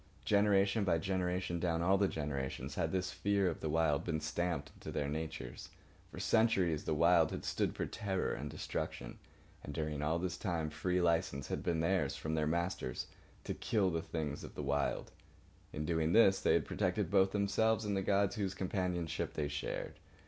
Generation by generation, down all the generations, had this fear of the Wild been stamped into their natures. For centuries the Wild had stood for terror and destruction. And during all this time free licence had been theirs, from their masters, to kill the things of the Wild. In doing this they had protected both themselves and the gods whose companionship they shared.